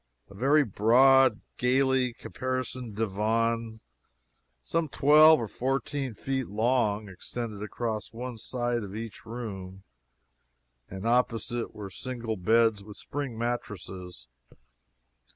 A very broad, gaily caparisoned divan, some twelve or fourteen feet long, extended across one side of each room, and opposite were single beds with spring mattresses.